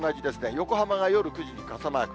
横浜が夜９時に傘マーク。